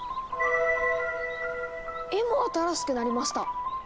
絵も新しくなりました！